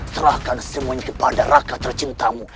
serahkan semuanya kepada raka tercintamu